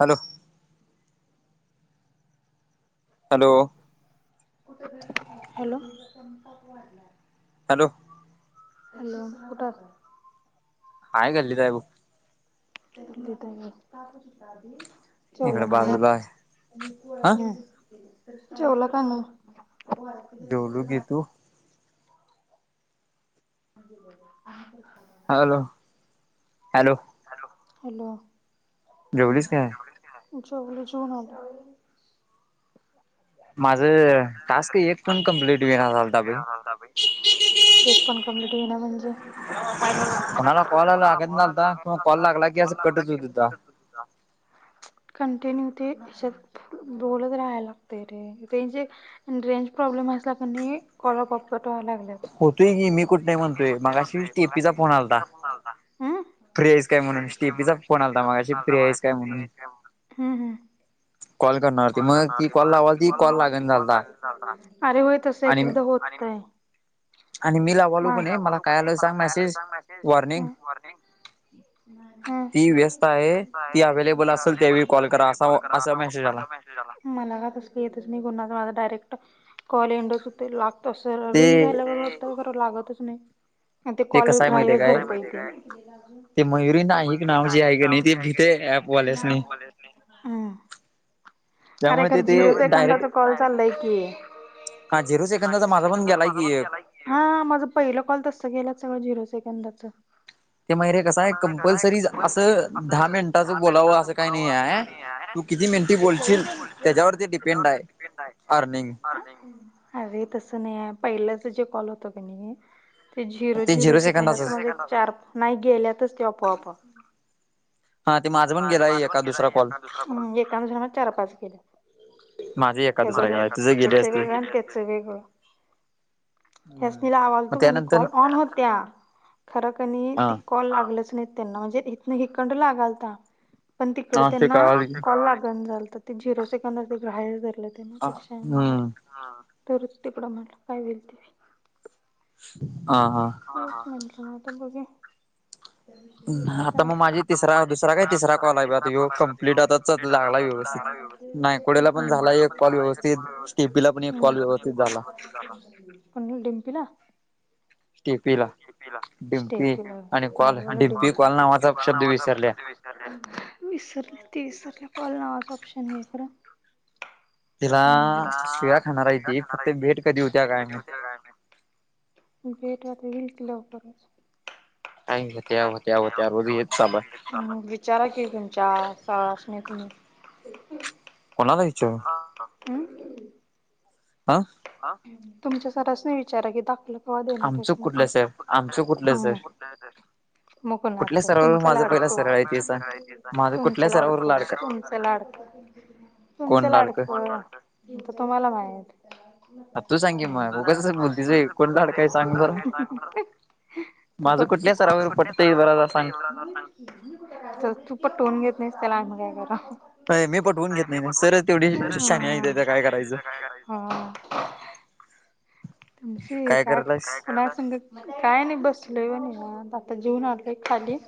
Hello. Hello hello. Hello. Hello उठ आता हाय गल्लीत आहे बघ. [unintelligible] इकडे बाजूला आहे हा जेवला का नाही. होय ते जेवलो कुठे? की तू म्हणजे आ. Hello hello. हॅलो. जेवलीस काय जेवलो जेवून आलो. माझ टास्क एक पण कंम्प्लीट होईना झालता बाई. ऐक पण कंम्प्लीट होत नाही म्हणजे कोणाला कॉल लागत नव्हता कॉल लागला की असं कटच होत होत. [unintelligible] कंटिन्यू ते ह्याच्यात बोलत राहायला लागते रे. रेंज रेंज प्रॉब्लेम असला की नाही कॉल अपोअआप कट व्हायला लागला. होतोय की मी कुठ नाही म्हणतोय मगाशीच टीपीचा फोन आलाता. हम्म फ्री आहेस काय म्हणून टीपीचा फोन आलाता माघाशी फ्री आहेस काय म्हणून हम्म कॉल करणार होती, मग ती कॉल हम्म लावालती. अरे होय तस आणि एकएकदा होत. मी लावालो आणि कणी तिला मला काय आलं मला सांग काय आलाय सांग मेसेज वॉर्निंग ती व्यस्त आहे, ती आहे अवेलेबलअसेल त्यावेळी कॉल करा असा असा मेसेज आला. मला का तसल येतच नाही, मी माझ डायरेक्ट कॉले इंडच होतोय. तस ते रिंग झाल्यागत वाटतं खरं लागतच नाही. ते कॉल कसं आहे ग्राह्य माहितीय काय धरतय ते, ते मयुरी नाईक नाव जे आहे का नाही ते भीते ऍपवाल्यासनी हम्म. त्यामुळे त ते. डायरेक्ट दाचा कॉल चाललाय की. हा झिरो सेकंदाचा माझा पण गेलाय की एक माझ पहिला कॉल तस गेला, सगळ झिरो से एंडच. ह [inaudible] ते मयरे कसंये, कंपल्सरी असं दहा मिनिटाचं दहा मिनिट बोलावं असं काही नाही आहे, नाही आहे. तू किती मिंटी बोलशील त्याच्यावरती डिपेंड आहे, अर्निंग. अर्निंग अरे तस नाहीये, पहिल्याच जे कॉल होत का नाही. ते झिरो ते झिरो सेकंडात सेकंदाचच म्हणजे चार नाही, गेल्यातच ते आपोआप. हा ते माझं पण ते गेलाय माझा पण एका दुसरा गेलं कॉल एखाद- दुसऱ्या कॉल. याचं माझे एका दुसरा गेलाय तुझे गेले असतील वेगळं त्याचं वेगळं. हम्म त्यास्नी लावा मग तू कनी त्यानंतर कॉल, ऑन होत्या. खरं कनी हा ते कॉल लागलच नाहीत त्यांना, म्हणजे इथन हिकंड लागालता. पण तिकडे हा ते त्यांना कळाल की कॉल लागण झाल त, ते झिरो सेकंद ग्राह धरत. त्या हम्म तर तिकडं म्हटलं, काय होईल ते होईल. हा हा तेच म्हटल आता बघेल. आता मग माझी तिसरा दुसरा काय तिसरा कॉल आहे. आता ह्यो कंप्लिट आता लागलाय व्यवस्थित. नायकोडेला पण झाला एक कॉल व्यवस्थित स्टेपीला पण एक कॉल व्यवस्थित झाला [unintelligible] कोण डिम्पी न. स्टेपीला पी डिम्पी स्टेपीला. आणि कॉल डिम्पी कॉल नावाचा शब्द विसरल्या विसर ते विसरल्या, कॉल नावाच ऑप्शन ये खरं. [inaudible] तिला हम्म. तिला शिव्या खाणार हाय ती, फक्त येणार भेट कधी होत्या काय माहित. भेट वाता येईल की लवकरच. टाईम. विचारा की तुमच्या ब [unintelligible] कोणाला विचारुन. अम. अ. तुमच्या सरास नी, विचारा की दाखलं हो दे ना आमचं सुुठ, कुठलं सर आमचं कुठलं सर हम्म. कुठल्या सरावर तुमचे माझं पहिला लाडको, सरळ आहे ते सांग माझं तुमचं कुठल्या सरावर लाडका लाडको. कोण तुमचे लाडकं? लाडक, तुम्हाला माहित. तू सांग की मग उगाचच बोलतीस व्हय लणार [unintelligible] ह [inaudible] तू बघ की, तू पटोन घेत नाही. त्याला आम्ही काय कराव. ये मी पटवून घेत नाही, सर तेवढी शानी आहे त्याच काय करायचं? हा [inaudible] तुमची काय कुणासग, काय नाही बस आता जेऊन आलय खाली,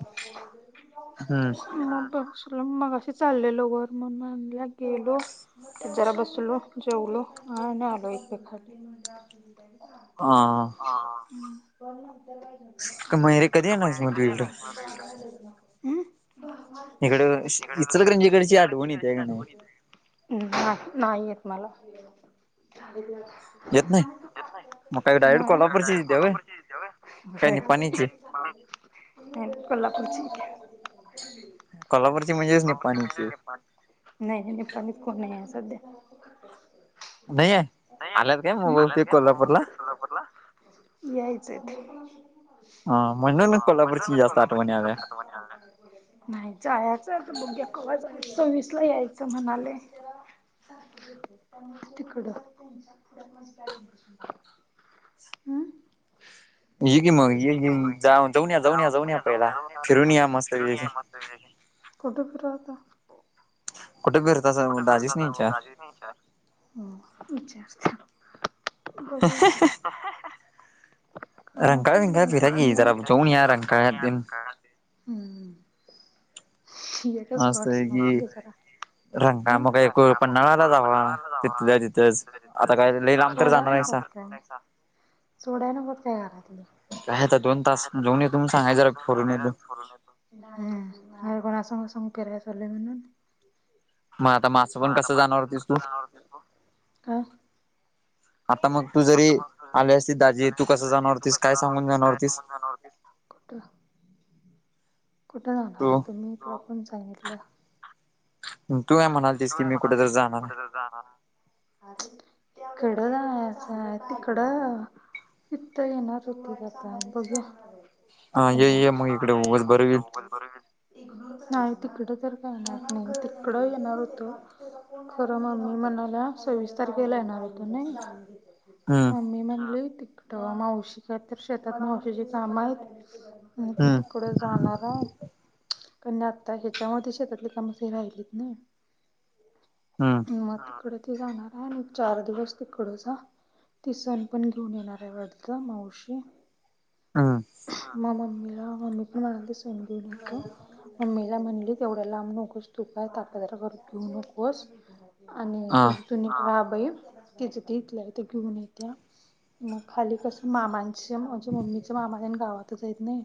हम्म मग च मग अशी चाललेल घर मण म्हणलं गेलो त्या जरा बसलो जेवलो हा नालो एक पे ख क हा मग हे कधी म येणारयस मग तू कर इकडं? ना [inaudible] इकडं इचलकरंजीकडची आठवण येत्या का नाही? नाही येत मला येत नाही मग काय डायरेक्ट नाही कोल्हापूरचीच येत्या व्हय? कोल्हापूरची काय निपाणीची? कोल्हापूरची म्हणजेच निपाणीची नाही नाही निपात को नाही आहे सध्या [inaudible] बत खट [inaudible] नाहीे [inaudible] नाहीलात घ सोलापूरला यायचं [inaudible] हा [inaudible] म्हणून म्ह कोल्हापूरची जास्त आठवण याल्या. नाहीच बघ्या क सोवीसला यायचं म्हणाले [inaudible] तिकडं [inaudible] हम्म [inaudible] ये की मग ये जाऊ जाऊन या जाऊन या जाऊन या पहिला फिरून या मस्त [inaudible] कुठे फिरहता [inaudible] कुठे फिरतासा [inaudible] कुठे फिरत दाजीच विचार नाही विचार होता [inaudible] रंकाळा बिंकाळा फिरा की जरा जाऊन या त्यालाोणी रंकाळ्यात तेन [inaudible] एक पाठ स गुजार [inaudible] रंगा मग एक पन्नाळाला जावा नळाला जावा तिथल्या तिथच आता काय लई लांब तर जाणार आहे [inaudible] सोडाय न मत काय करा तुला [inaudible] काय आता दोन तास सांग त जाऊन येतो म्हणून सांगायचं जरा येत फिरून सांगायला येतो फरून येतून अर गणा संगा संग फेरय सले म्हण [inaudible] [inaudible] मग आता माझं मग पण आता कसं मा जाणार होतीस तू कस जावसत आता मग तू जरी आले असती दाजी तू कसं जाणारतीस काय सांगून जाणारतीस [inaudible] कता्र [inaudible] कुठे तू जाणारतु म्ीकून सांगितलं [inaudible] [inaudible] तू काय तू म्हणालतीस की काय मी म्हणा कुठे तरी जाणार कुठ [inaudible] आहे तररी जाणार कडंं तिकडं [inaudible] इथ येणार हो त काता बघ [inaudible] [inaudible] हा ये ये मग इकडे उगाच बरं होईल मोबाल बरोब नाही तिकडं तर काही नाही नाही ते [inaudible] इकड येणार होत खरं मग मी म्हणाल्या सव्वीस तारखेला येणार होत नाही [inaudible] [inaudible] हम्म मम्मी म्हणलेय तिकटं मावशी का तर शेतात मावशीची काम आहेत [inaudible] म कि हम्म तिकडे जाणार आहे कार नाही आता ह्याच्यामध्ये शेतातले कामसे राहिलीत ना हम्म [inaudible] [inaudible] मग तिकड ते जाणार आहे म चार दिवस तिकड जा [inaudible] ती सण पण घेऊन येणार आहे वाटत मावशी हम्म मामा म मम्मी पण मणा समजून येतो [inaudible] मम्मीला म्हणली तेवढा लांब नकोच तुट का ताकदरा करून घेऊ [inaudible] नकोस आणि हा तुझ तब तिथ घेऊन येत [inaudible] मग खाली कस माम अ माझ्या मम्मीच्या मामाण गावातच आहेत नाही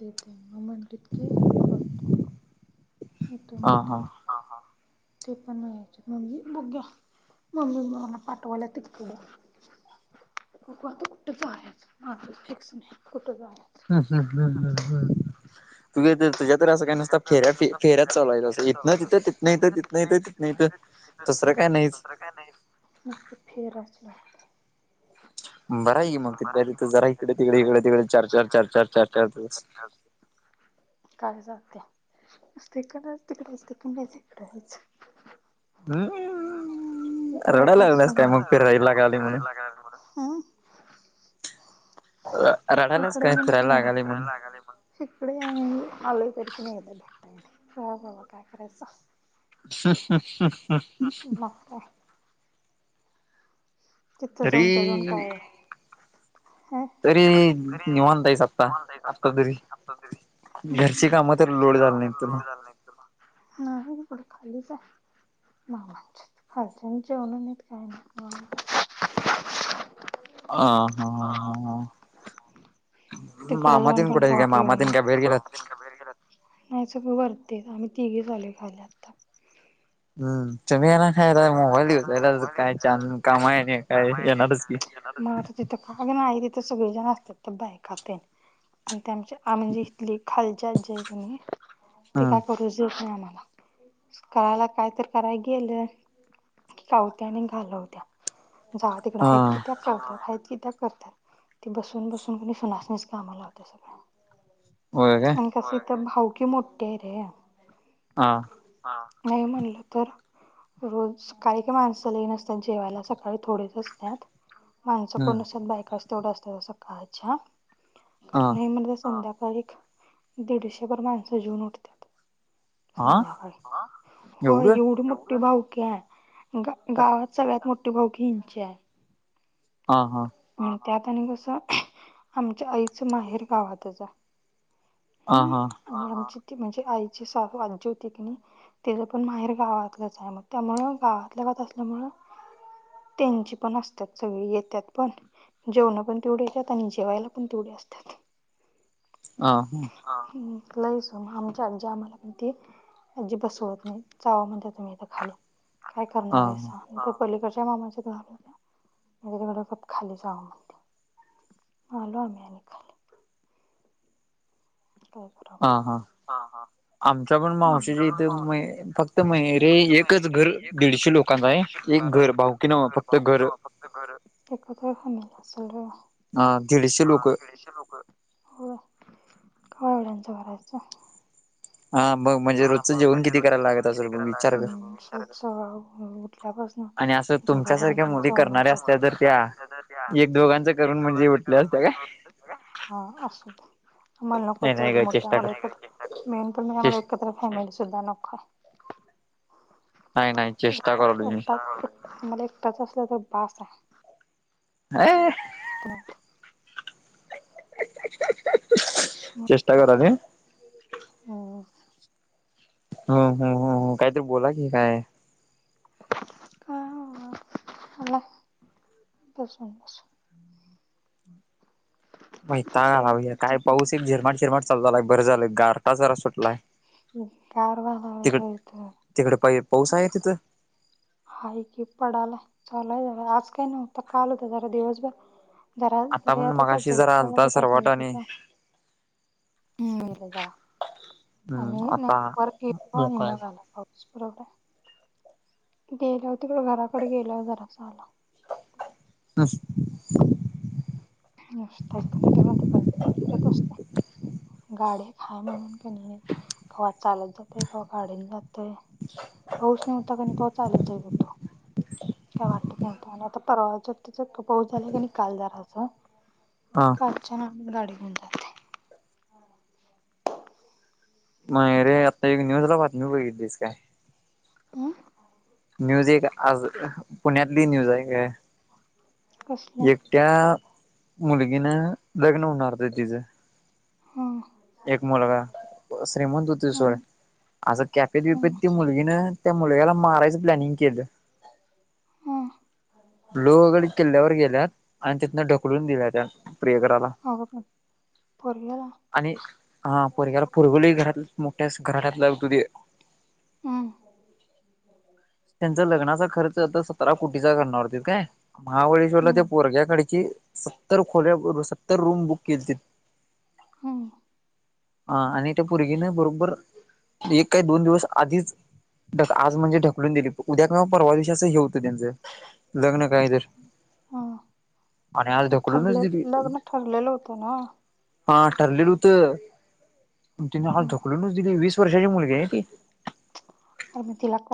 ते ते [inaudible] म्हंटली की हे करत [inaudible] तू हा म्हणट हा ते पण नाहीच म्हजी बघ्या [inaudible] मम्मी मला पाठवाला तख [inaudible] त कुट जा आहे फिकस कुट जा [inaudible] हम्म हम्म हम्म हम्म हम्म तुझ्या त तुझ्या तर असंत काय नुसत्या फेऱ्या फेऱ्या चालु आहेत असं इथनं तिथं तितनं इथं तितन इथं तिनं इथं काय नाहीच दुसरं काय नायी नुसत फेराच बरा हाय की मग तिथल्या तिथं जरा इकडे तिकडे इकडे तिकडे चार चार चार चार चार चार दिवस [inaudible] काय जात्या नुसतं इकंडनच तिकडच तिकडच इकडं हेच [inaudible] शिकल्या रडायला लागलास पासून काय मग फिरायला [unintelligible] लागालय म्हणून फिरायला [unintelligible] रडायलाच हिकडं काय येईन की फिरायला नाय लागालय म्हणून हिकडं काय नाय ये [unintelligible] कर बाबा काय करायचं मग काय [unintelligible] तिथं जाऊन च्या जाऊन तरी काय तरी निवांत हाईस आता आत्ता तरी घरची हम् कामं तर लोड झाली नाहीत तुला ह खालीच आहे खालच्या जेवण नाही काय नाही आ हा ह तिकडे जाऊन मामातीन पण कुठे आहे काय उपयोग मामातीन काय बहेर गेलात? नाही सगळ वरती येत आम्ही तिघे आलो खाले आता. हम् तुम्ही ये ना नाही मोबाईल युजला काय छान कामा नाही काय येणारच की. तथ का नाही तिथे सगळेजण असतात बायका तीन आण ते आमच्या आ म्हणजे इथली खालची आजी ये कणी ते हम्म काय करूच देत नाही आम्हाला करायला काय तर कराय गेल की कावते आणि घालवत्या जावा तिकड आहेत की हा त्या करत्या आहेत कि त्या करतात ती बसून बसून कोणी सुनासणीच कामा लावत सगळ्या हो का तर भाऊ की मोठे आहे रे हा हा, नाही म्हणलं तर रोज सकाळी की माणसा लई असतात जेवायला सकाळी थोडेच असत्यात. माणसं हम्म कोण नसतात बायकाच तेवढं असतातं सकाळच्या हा नाय म्हणल संध्या एक दीडशे भर माणसं जेवून उठत्यात. हा संध्याकाळी हो एवढं एवढी मोठी भावकी हाय. गावात सगळ्यात मोठे भाऊ की हिंचे आहे. हा हा त्यात आणि कस आमच्या आईचं माहेर गावातच ह हा हम्म आणि आमची म्हणजे आईची आजी होती की ति पण माहेर गावातलंच आहे मग त्यामुळ गावात त्यांची पण असत सगळी येतात पण जेवणं पण तेवढेे येत्यात आणि जेवायला पण तेवढे असतात. ह हा लई स आमची आजी आम्हाला म्हणती आजी बसवत नाही जावा म्हणज तुम्ही इथ खाली काय हा करणार हायसा पलीकड मामा [unintelligible] गप खाली जावा म्हणती. आलो आम्ही अने खाली. हो हा हा आमच्या पण मावशीच्या आमच्याकडून इथं म फक्त मावशथ रे फक्त एकच माहेरी घर एकच दीडशे घर लोकांच आहे पा एक घर भाऊकी नव्ह फक्त घर फ एक क हा दीडशे लोक [unintelligible] [unintelligible] का एवढ्यांचं करायचं. हा मग म्हणजे हा रोजचं मग जेवण म्हणजे किती रोजचं करायला लागत जेवण असेल किती बघ करायला विचार कर. लागल. आणि असं तुमच्यासारख्या मुवी जेवण करणाऱ्या असत्या जर त्या एक दोघांच करून म्हणजे उठल्या असत्या काय [unintelligible] हा अस आम्हाला नको नाही नाही तेवढे ग मोठं चेष्टा कर आम्हालात मेन पण म्हणजे आम्हाला चेष्टा एकत्र फॅमिली सुद्धा नको. नाही नाही चेष्टा करालोय मी आम्हाला एकटाच असला तर बस आहे. अय [unintelligible] चचेष्टा करा ली. हम्म. हम् हम काहीतरी बोला की काय? ह झाला बसून बस. वैताग जेवत आलाय काय पाऊस एक झिरमाट झिरमाट चाल बरं झालं गारठा जरा सुटलाय. गारवा तिकड [unintelligible] तिकडे पा पाऊस आहे तिथं हाय की पडाला चालाय झा आज काही नव्हता काल होता जरा दिवसभर आता जरार पण आताताच मगाशी जरा आलता सरवाट जायय आणि होता. हम्म! [unintelligible] हम्म आता पुरवठा गेल्यावर तिकडे घराकडे गेल्यावर जरास आला. [unintelligible] नुसता इकडं तिकडनं फिरत असतोय. गाडी एक हाय म्हणून, की नइ कवा चालत जातोय कवा गाडीन जात पाऊस नव्हता, क नई तवा चालत जाईत होतो. काय वाटत नव्हत, आणि आता परवा [unintelligible] पाऊस झाला, की नई काल जरासा हा कालच्या ना गाडी [unintelligible] नाय रे आता एक न्यूज ला बातमी बघितलीस काय? ह. न्यूज एक आज पुण्यातली न्यूज आहे काय? कसलं एकट्या मुलगीनं लग्न होणार होतं तिजं. हा. एक मुलगा श्रीमंत हुता सोड हम्म आस कॅपेत हम्म बिपेत ती मुलगी न त्या मुलग्याला मारायचं प्लॅनिंग केलं. हम्म लोहगड किल्ल्यावर गेल्यात आणि तिथनं ढकलून दिल्या त्यात अगं पोरग्याला [unintelligible] आणि हा परग्याला पुरगली घरात मोठ्या [unintelligible] हम्म! त्यांचा लग्नाचा खर्च आता सतरा कोटीचा करणार होतीत काय? महाबळेश्वरला त्या हम्म पोरग्याकडची सत्तर खोल्या सत्तर रूम बुक केलतीत. हम्म! हा, आणि त्या पोरगीन बरोबर एक काही दोन दिवस आधीच आज म्हणजे [unintelligible] दिली उद्या किंवा परवा दिवशी अस हे होतं त्यांचं लग्न काय तर? आणि आज म ढकलूनच ठरले दिली लग्न ठरलेलं होतं नव्ह? हा ठरलेल होतं तिने, हा ढकलूनचं दिली, वीस वर्षाची मुलगी आहे ती. [unintelligible]